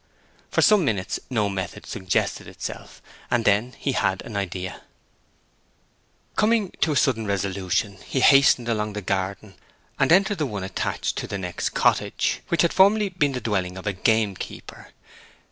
For some minutes no method suggested itself, and then he had an idea. Coming to a sudden resolution, he hastened along the garden, and entered the one attached to the next cottage, which had formerly been the dwelling of a game keeper.